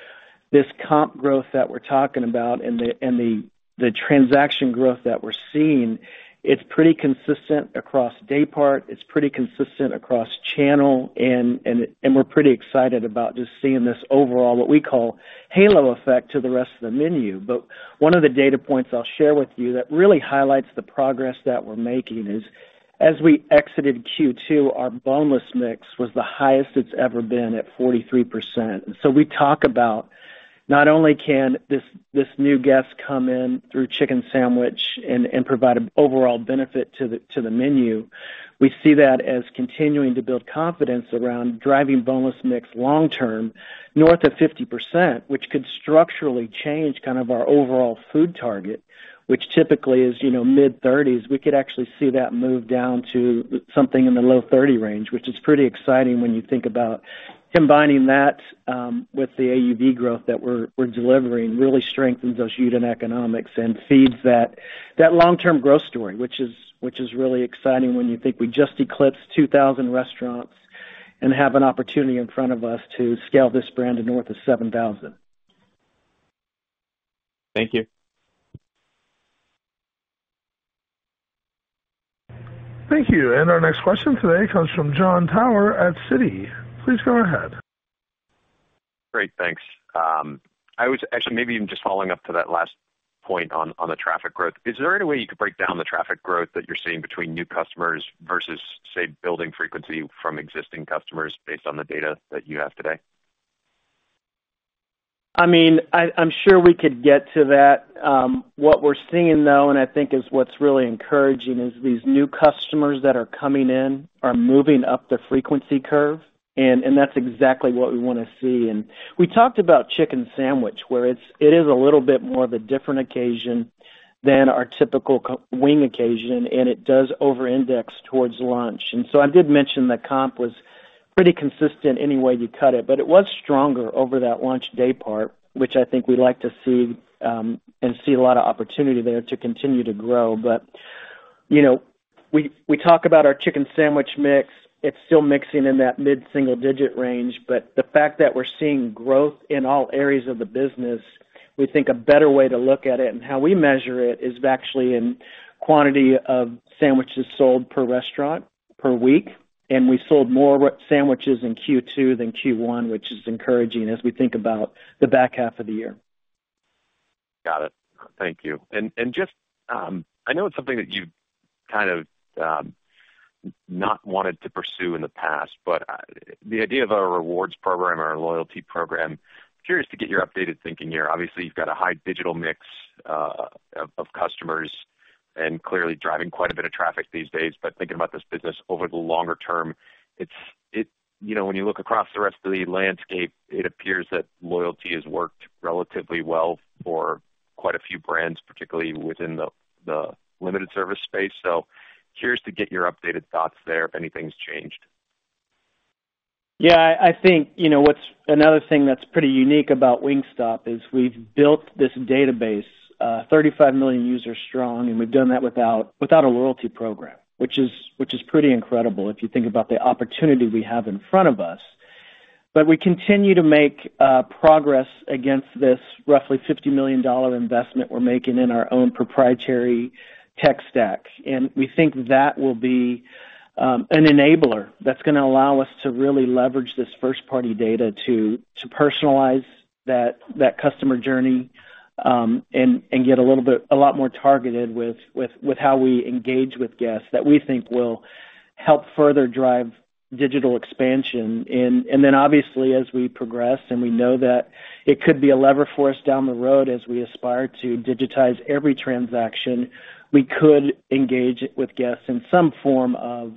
this comp growth that we're talking about and the, and the, the transaction growth that we're seeing, it's pretty consistent across daypart, it's pretty consistent across channel, and, and, and we're pretty excited about just seeing this overall, what we call, halo effect to the rest of the menu. One of the data points I'll share with you that really highlights the progress that we're making, is as we exited Q2, our boneless mix was the highest it's ever been at 43%. We talk about not only can this, this new guest come in through Chicken Sandwich and, and provide an overall benefit to the, to the menu, we see that as continuing to build confidence around driving boneless mix long term north of 50%, which could structurally change kind of our overall food target, which typically is, you know, mid-30s. We could actually see that move down to something in the low 30 range, which is pretty exciting when you think about combining that with the AUV growth that we're, we're delivering, really strengthens those unit economics and feeds that, that long-term growth story, which is, which is really exciting when you think we just eclipsed 2,000 restaurants and have an opportunity in front of us to scale this brand to north of 7,000. Thank you. Thank you. Our next question today comes from Jon Tower at Citi. Please go ahead. Great, thanks. I was actually maybe even just following up to that last point on, on the traffic growth. Is there any way you could break down the traffic growth that you're seeing between new customers versus, say, building frequency from existing customers based on the data that you have today? I mean, I, I'm sure we could get to that. What we're seeing, though, and I think is what's really encouraging, is these new customers that are coming in are moving up the frequency curve, and, and that's exactly what we want to see. We talked about Chicken Sandwich, where it's it is a little bit more of a different occasion than our typical wing occasion, and it does overindex towards lunch. I did mention the comp was pretty consistent any way you cut it, but it was stronger over that lunch daypart, which I think we'd like to see, and see a lot of opportunity there to continue to grow. You know, we, we talk about our Chicken Sandwich mix. It's still mixing in that mid-single digit range. The fact that we're seeing growth in all areas of the business, we think a better way to look at it and how we measure it, is actually in quantity of sandwiches sold per restaurant per week. We sold more sandwiches in Q2 than Q1, which is encouraging as we think about the back half of the year. Got it. Thank you. Just, I know it's something that you've kind of, not wanted to pursue in the past, the idea of a rewards program or a loyalty program, curious to get your updated thinking here. Obviously, you've got a high digital mix, of, of customers and clearly driving quite a bit of traffic these days, thinking about this business over the longer term, you know, when you look across the rest of the landscape, it appears that loyalty has worked relatively well for quite a few brands, particularly within the, the limited service space. Curious to get your updated thoughts there, if anything's changed. Yeah, I think, you know, what's another thing that's pretty unique about Wingstop is we've built this database, 35 million users strong, and we've done that without, without a loyalty program, which is, which is pretty incredible if you think about the opportunity we have in front of us. We continue to make progress against this roughly $50 million investment we're making in our own proprietary tech stack, and we think that will be an enabler that's gonna allow us to really leverage this first-party data to, to personalize that, that customer journey, and, and get a little bit-- a lot more targeted with, with, with how we engage with guests, that we think will help further drive digital expansion. Then obviously, as we progress, and we know that it could be a lever for us down the road as we aspire to digitize every transaction, we could engage with guests in some form of,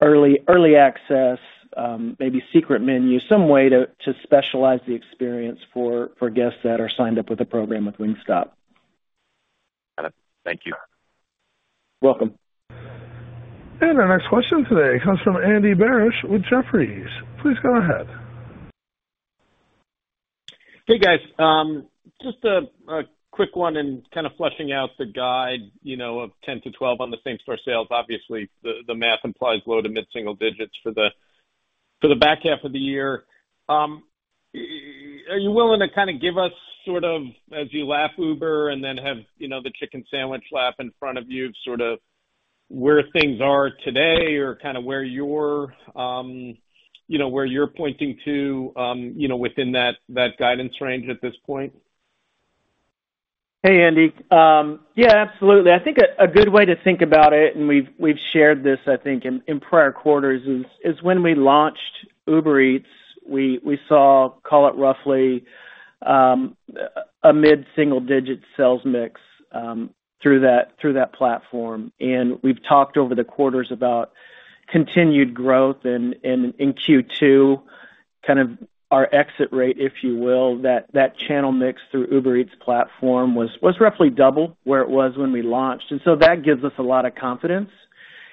early, early access, maybe secret menu, some way to, to specialize the experience for, for guests that are signed up with the program with Wingstop. Got it. Thank you. Welcome. Our next question today comes from Andy Barish with Jefferies. Please go ahead. Hey, guys. Just a, a quick one and kind of fleshing out the guide, you know, of 10-12 on the same-store sales. Obviously, the, the math implies low to mid-single digits for the, for the back half of the year. Are you willing to kind of give us sort of as you lap Uber and then have, you know, the Chicken Sandwich lap in front of you, sort of where things are today or kind of where you're, you know, where you're pointing to, you know, within that, that guidance range at this point? Hey, Andy. Yeah, absolutely. I think a, a good way to think about it, and we've, we've shared this, I think, in, in prior quarters, is, is when we launched Uber Eats, we, we saw, call it roughly a mid-single digit sales mix through that, through that platform. We've talked over the quarters about continued growth and, and in Q2, kind of our exit rate, if you will, that, that channel mix through Uber Eats platform was, was roughly double where it was when we launched. That gives us a lot of confidence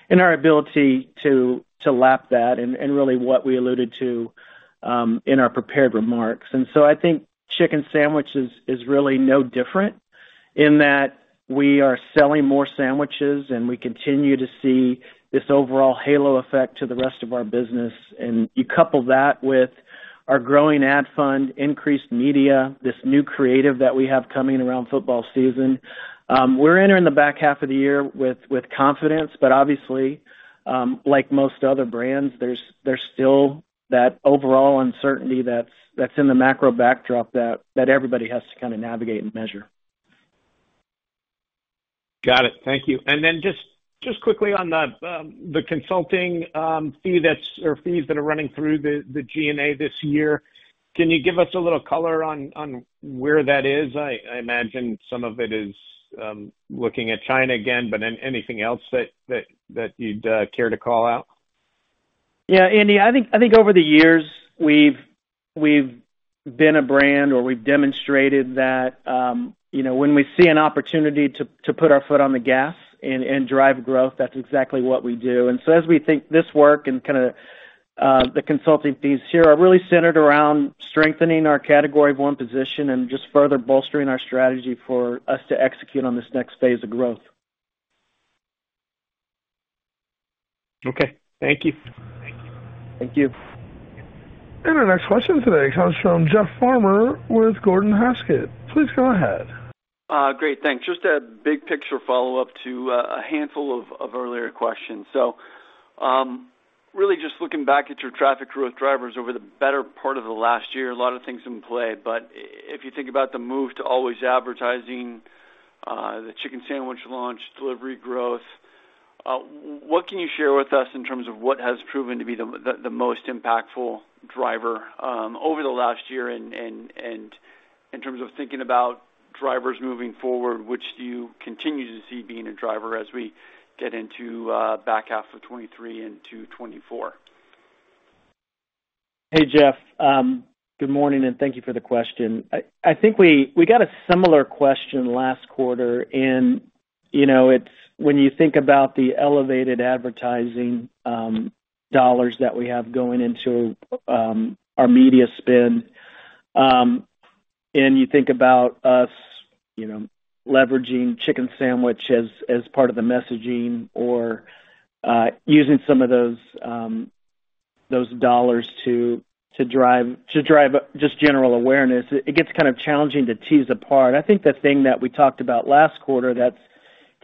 in our ability to, to lap that and, and really what we alluded to in our prepared remarks. I think Chicken Sandwiches is really no different in that we are selling more sandwiches, and we continue to see this overall halo effect to the rest of our business. You couple that with our growing ad fund, increased media, this new creative that we have coming around football season. We're entering the back half of the year with, with confidence, but obviously, like most other brands, there's, there's still that overall uncertainty that's, that's in the macro backdrop that, that everybody has to kind of navigate and measure. Got it. Thank you. Then just, just quickly on the, the consulting, fee that's, or fees that are running through the, the G&A this year, can you give us a little color on, on where that is? I imagine some of it is, looking at China again, but anything else that, that, that you'd, care to call out? Yeah, Andy, I think, I think over the years, we've, we've been a brand or we've demonstrated that, you know, when we see an opportunity to, to put our foot on the gas and, and drive growth, that's exactly what we do. So as we think this work and kind of, the consulting fees here are really centered around strengthening our category-of-one position and just further bolstering our strategy for us to execute on this next phase of growth. Okay. Thank you. Thank you. Our next question today comes from Jeff Farmer with Gordon Haskett. Please go ahead. Great, thanks. Just a big picture follow-up to a handful of, of earlier questions. Really just looking back at your traffic growth drivers over the better part of the last year, a lot of things in play, but if you think about the move to always advertising, the Wingstop Chicken Sandwich launch, delivery growth, what can you share with us in terms of what has proven to be the most impactful driver over the last year? And, and in terms of thinking about drivers moving forward, which do you continue to see being a driver as we get into back half of 2023 into 2024? Hey, Jeff. Good morning, and thank you for the question. I, I think we, we got a similar question last quarter, and, you know, it's when you think about the elevated advertising dollars that we have going into our media spend, and you think about us, you know, leveraging Chicken Sandwich as, as part of the messaging or using some of those dollars to drive, to drive just general awareness, it gets kind of challenging to tease apart. I think the thing that we talked about last quarter that's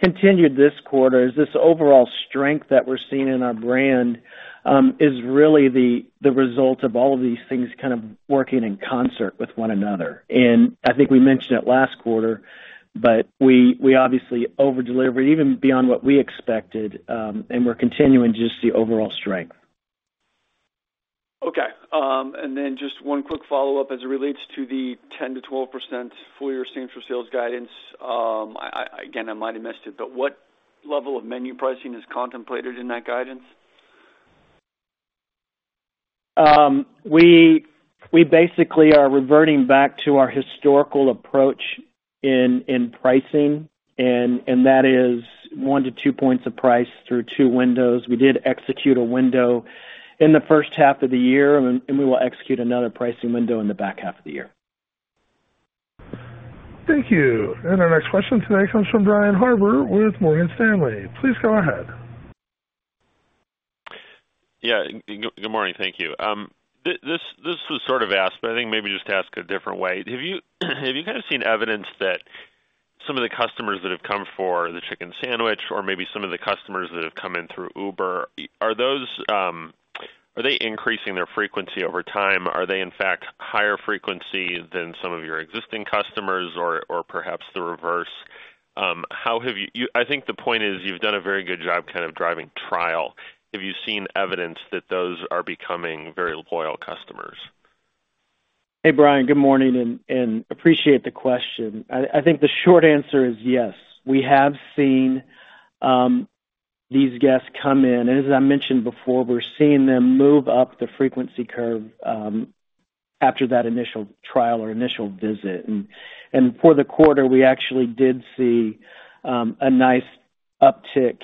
continued this quarter is this overall strength that we're seeing in our brand is really the result of all of these things kind of working in concert with one another. I think we mentioned it last quarter, but we, we obviously over-delivered even beyond what we expected, and we're continuing to just see overall strength. Okay. Just one quick follow-up as it relates to the 10%-12% full year same-store sales guidance. I, I-- again, I might have missed it, but what level of menu pricing is contemplated in that guidance? We, we basically are reverting back to our historical approach in, in pricing, and, and that is 1-2 points of price through two windows. We did execute a window in the first half of the year, and, and we will execute another pricing window in the back half of the year. Thank you. Our next question today comes from Brian Harbour, with Morgan Stanley. Please go ahead. Yeah, good morning. Thank you. This, this was sort of asked, but I think maybe just asked a different way: Have you, have you kind of seen evidence that some of the customers that have come for the Chicken Sandwich or maybe some of the customers that have come in through Uber, are those, are they increasing their frequency over time? Are they, in fact, higher frequency than some of your existing customers or, or perhaps the reverse? How have you. I think the point is, you've done a very good job kind of driving trial. Have you seen evidence that those are becoming very loyal customers? Hey, Brian, good morning, and appreciate the question. I think the short answer is yes. We have seen these guests come in, and as I mentioned before, we're seeing them move up the frequency curve... after that initial trial or initial visit. For the quarter, we actually did see a nice uptick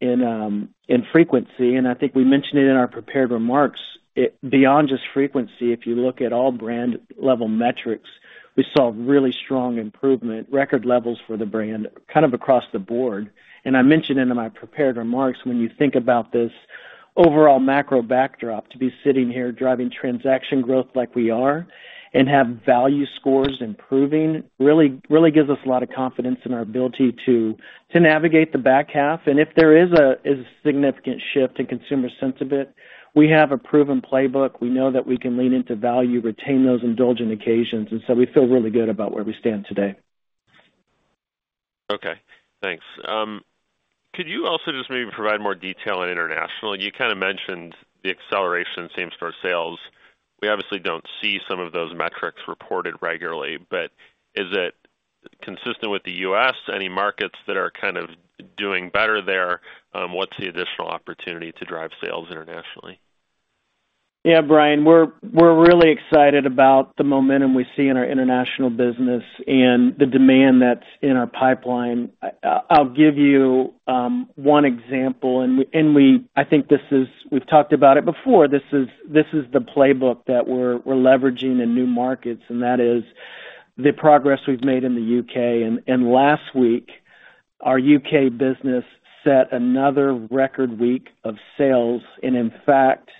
in frequency, and I think we mentioned it in our prepared remarks. Beyond just frequency, if you look at all brand level metrics, we saw really strong improvement, record levels for the brand, kind of across the board. I mentioned in my prepared remarks, when you think about this overall macro backdrop, to be sitting here driving transaction growth like we are and have value scores improving, really, really gives us a lot of confidence in our ability to navigate the back half. If there is a significant shift in consumer sentiment, we have a proven playbook. We know that we can lean into value, retain those indulgent occasions, so we feel really good about where we stand today. Okay, thanks. Could you also just maybe provide more detail on international? You kind of mentioned the acceleration same-store sales. We obviously don't see some of those metrics reported regularly, but is it consistent with the U.S.? Any markets that are kind of doing better there, what's the additional opportunity to drive sales internationally? Yeah, Brian, we're, we're really excited about the momentum we see in our international business and the demand that's in our pipeline. I'll give you one example. I think this is... We've talked about it before. This is, this is the playbook that we're, we're leveraging in new markets, and that is the progress we've made in the U.K. Last week, our U.K. business set another record week of sales. In fact,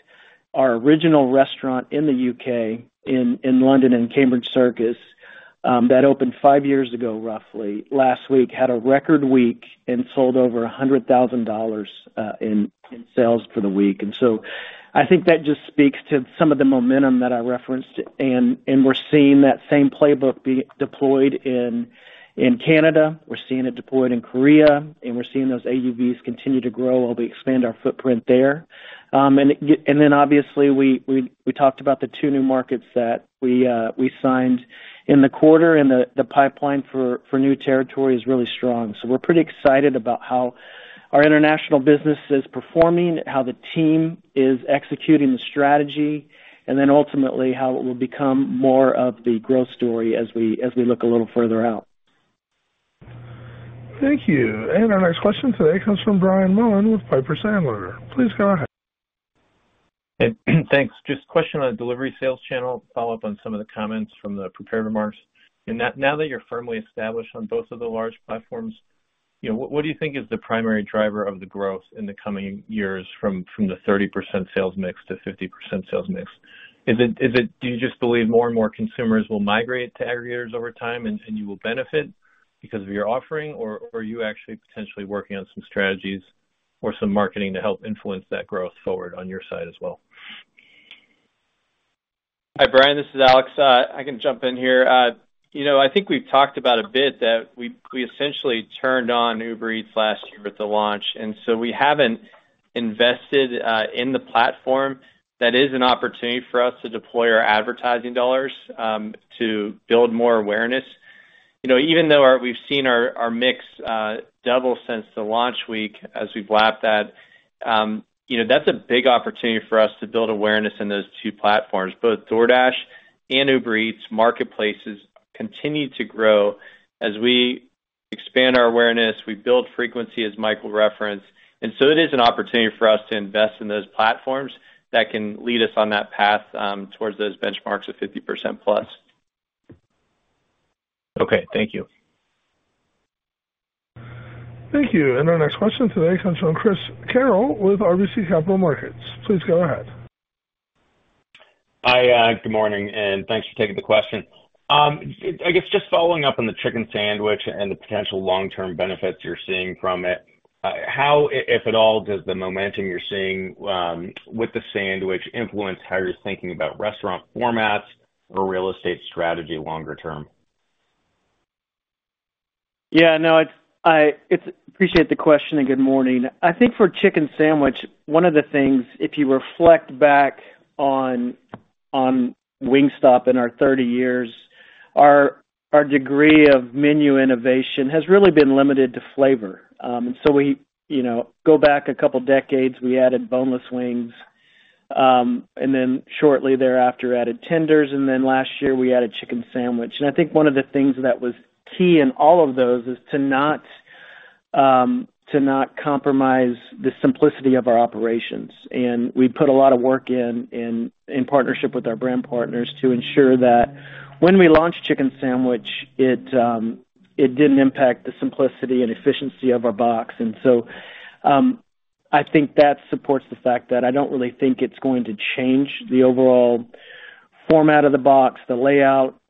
our original restaurant in the U.K., in, in London, in Cambridge Circus, that opened five years ago, roughly, last week, had a record week and sold over $100,000 in, in sales for the week. So I think that just speaks to some of the momentum that I referenced. We're seeing that same playbook be deployed in Canada, we're seeing it deployed in Korea, and we're seeing those AUVs continue to grow while we expand our footprint there. Obviously, we talked about the two new markets that we signed in the quarter, and the pipeline for new territory is really strong. We're pretty excited about how our international business is performing, how the team is executing the strategy, and then ultimately, how it will become more of the growth story as we look a little further out. Thank you. Our next question today comes from Brian Mullan with Piper Sandler. Please go ahead. Hey, thanks. Just a question on the delivery sales channel, follow up on some of the comments from the prepared remarks. Now, now that you're firmly established on both of the large platforms, you know, what do you think is the primary driver of the growth in the coming years from, from the 30% sales mix to 50% sales mix? Is it do you just believe more and more consumers will migrate to aggregators over time and, and you will benefit because of your offering, or, or are you actually potentially working on some strategies or some marketing to help influence that growth forward on your side as well? Hi, Brian, this is Alex. I can jump in here. You know, I think we've talked about a bit, that we, we essentially turned on Uber Eats last year with the launch, so we haven't invested in the platform. That is an opportunity for us to deploy our advertising dollars to build more awareness. You know, even though we've seen our, our mix double since the launch week as we've lapped that, you know, that's a big opportunity for us to build awareness in those two platforms. Both DoorDash and Uber Eats marketplaces continue to grow. As we expand our awareness, we build frequency, as Michael referenced. So it is an opportunity for us to invest in those platforms that can lead us on that path towards those benchmarks of 50%+. Okay, thank you. Thank you. Our next question today comes from Chris Carril with RBC Capital Markets. Please go ahead. Hi, good morning, thanks for taking the question. I guess just following up on the Chicken Sandwich and the potential long-term benefits you're seeing from it, how, if at all, does the momentum you're seeing with the sandwich influence how you're thinking about restaurant formats or real estate strategy longer term? Yeah, no, it's-- I appreciate the question. Good morning. I think for Chicken Sandwich, one of the things, if you reflect back on, on Wingstop in our 30 years, our degree of menu innovation has really been limited to flavor. We, you know, go back a couple decades, we added boneless wings, and then shortly thereafter, added tenders, and then last year, we added Chicken Sandwich. I think one of the things that was key in all of those is to not compromise the simplicity of our operations. We put a lot of work in, in, in partnership with our brand partners to ensure that when we launched Chicken Sandwich, it didn't impact the simplicity and efficiency of our box. So, I think that supports the fact that I don't really think it's going to change the overall format of the box, the layout.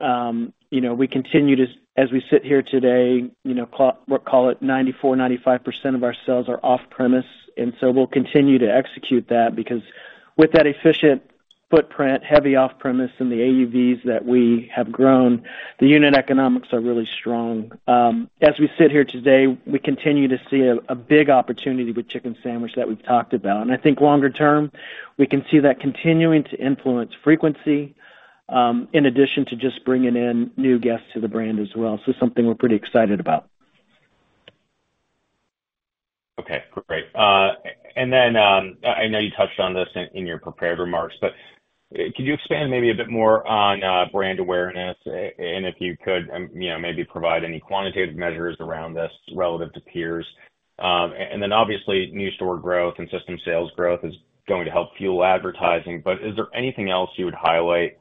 You know, we continue to, as we sit here today, you know, call, we'll call it 94%, 95% of our sales are off-premise, and so we'll continue to execute that, because with that efficient footprint, heavy off-premise and the AUVs that we have grown, the unit economics are really strong. As we sit here today, we continue to see a, a big opportunity with Chicken Sandwich that we've talked about. I think longer term, we can see that continuing to influence frequency, in addition to just bringing in new guests to the brand as well. Something we're pretty excited about. Okay, great. Then, I know you touched on this in your prepared remarks, but could you expand maybe a bit more on brand awareness? If you could, you know, maybe provide any quantitative measures around this relative to peers. Then obviously, new store growth and system sales growth is going to help fuel advertising. Is there anything else you would highlight,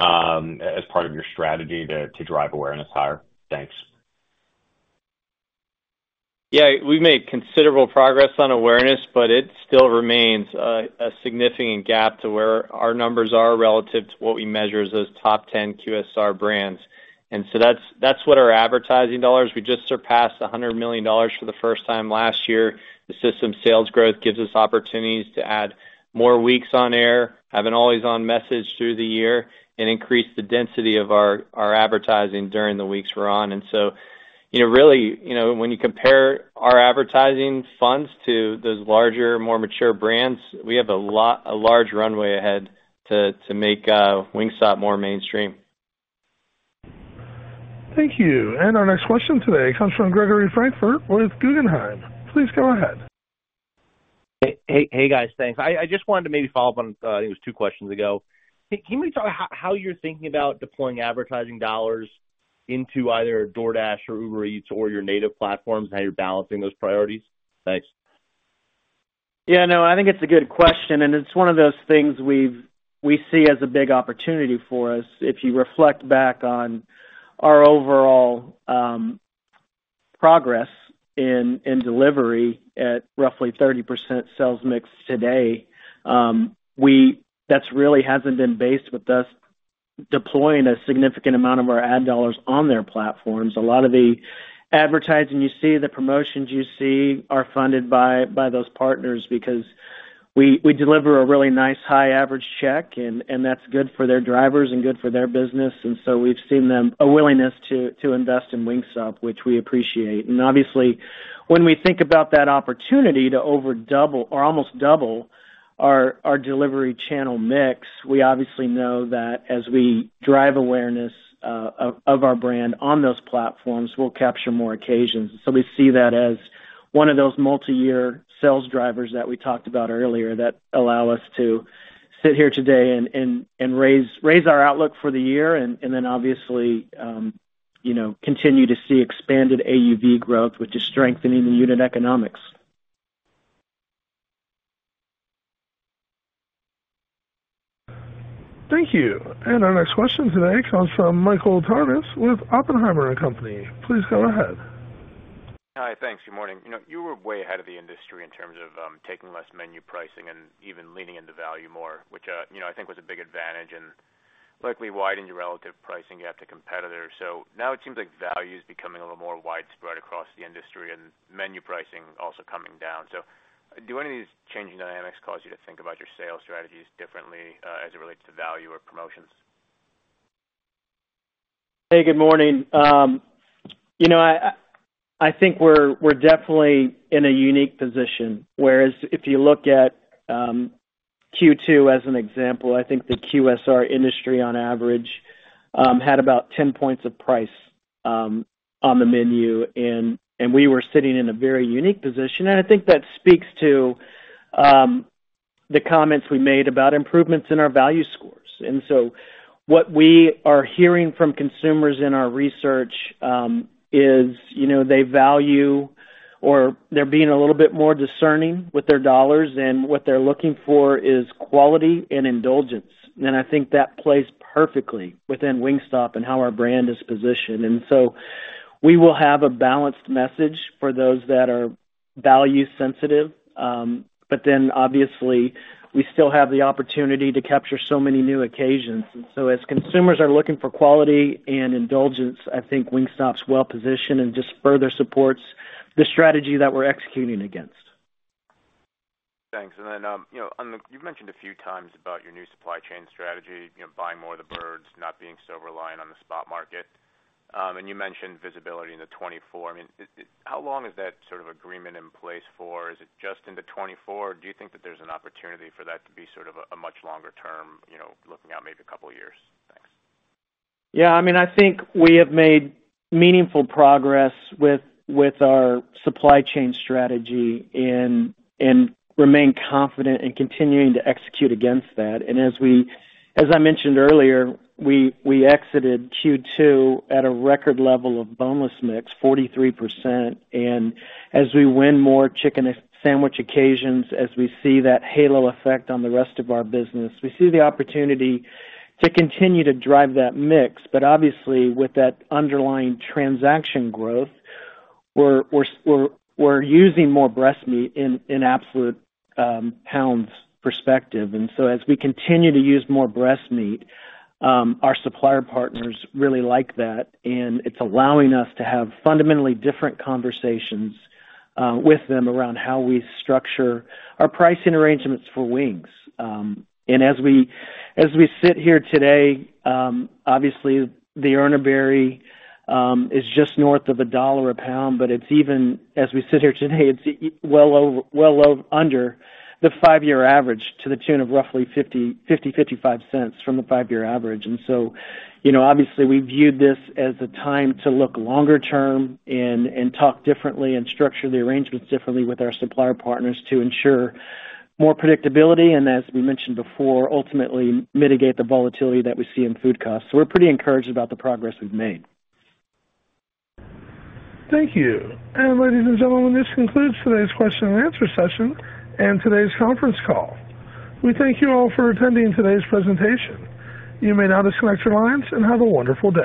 as part of your strategy to drive awareness higher? Thanks. Yeah, we've made considerable progress on awareness, but it still remains a significant gap to where our numbers are relative to what we measure as those top 10 QSR brands. So that's, that's what our advertising dollars, we just surpassed $100 million for the first time last year. The system sales growth gives us opportunities to add more weeks on air, have an always-on message through the year, and increase the density of our, our advertising during the weeks we're on. So, you know, really, you know, when you compare our advertising funds to those larger, more mature brands, we have a large runway ahead to, to make Wingstop more mainstream. Thank you. Our next question today comes from Gregory Francfort with Guggenheim. Please go ahead. Hey, guys, thanks. I, I just wanted to maybe follow up on, I think it was two questions ago. Can you talk about how you're thinking about deploying advertising dollars into either DoorDash or Uber Eats or your native platforms, and how you're balancing those priorities? Thanks. Yeah, no, I think it's a good question, and it's one of those things we see as a big opportunity for us. If you reflect back on our overall progress in delivery at roughly 30% sales mix today, that's really hasn't been based with us deploying a significant amount of our ad dollars on their platforms. A lot of the advertising you see, the promotions you see, are funded by, by those partners because we, we deliver a really nice high average check, and, and that's good for their drivers and good for their business. We've seen them a willingness to invest in Wingstop, which we appreciate. Obviously, when we think about that opportunity to over double or almost double our, our delivery channel mix, we obviously know that as we drive awareness of our brand on those platforms, we'll capture more occasions. We see that as one of those multiyear sales drivers that we talked about earlier that allow us to sit here today and raise our outlook for the year and then obviously, you know, continue to see expanded AUV growth, which is strengthening the unit economics. Thank you. Our next question today comes from Michael Tamas with Oppenheimer & Company. Please go ahead. Hi, thanks. Good morning. You know, you were way ahead of the industry in terms of, taking less menu pricing and even leaning into value more, which, you know, I think was a big advantage and likely widened your relative pricing gap to competitors. Now it seems like value is becoming a little more widespread across the industry and menu pricing also coming down. Do any of these changing dynamics cause you to think about your sales strategies differently, as it relates to value or promotions? Hey, good morning. You know, I think we're, we're definitely in a unique position, whereas if you look at Q2 as an example, I think the QSR industry, on average, had about 10 points of price on the menu. We were sitting in a very unique position. I think that speaks to the comments we made about improvements in our value scores. What we are hearing from consumers in our research is, you know, they value or they're being a little bit more discerning with their dollars, and what they're looking for is quality and indulgence. I think that plays perfectly within Wingstop and how our brand is positioned. We will have a balanced message for those that are value sensitive, but then obviously, we still have the opportunity to capture so many new occasions. As consumers are looking for quality and indulgence, I think Wingstop's well positioned and just further supports the strategy that we're executing against. Thanks. You've mentioned a few times about your new supply chain strategy, buying more of the birds, not being so reliant on the spot market. You mentioned visibility in 2024. How long is that sort of agreement in place for? Is it just in 2024, or do you think that there's an opportunity for that to be sort of a much longer term, looking out maybe a couple of years? Thanks. Yeah, I mean, I think we have made meaningful progress with, with our supply chain strategy and, and remain confident in continuing to execute against that. As we-- as I mentioned earlier, we, we exited Q2 at a record level of boneless mix, 43%. As we win more Chicken Sandwich occasions, as we see that halo effect on the rest of our business, we see the opportunity to continue to drive that mix. But obviously, with that underlying transaction growth, we're, we're, we're, we're using more breast meat in, in absolute pounds perspective. As we continue to use more breast meat, our supplier partners really like that, and it's allowing us to have fundamentally different conversations with them around how we structure our pricing arrangements for wings. As we, as we sit here today, obviously, the Urner Barry is just north of $1 a pound, but it's even as we sit here today, it's well over, well under the five-year average, to the tune of roughly $0.50-$0.55 from the five-year average. You know, obviously, we viewed this as a time to look longer term and, and talk differently and structure the arrangements differently with our supplier partners to ensure more predictability, and as we mentioned before, ultimately mitigate the volatility that we see in food costs. We're pretty encouraged about the progress we've made. Thank you. Ladies and gentlemen, this concludes today's question and answer session and today's conference call. We thank you all for attending today's presentation. You may now disconnect your lines, and have a wonderful day.